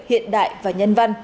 hiện đại và nhân văn